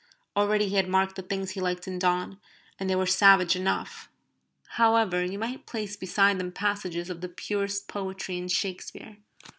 Already he had marked the things he liked in Donne, and they were savage enough. However, you might place beside them passages of the purest poetry in Shakespeare.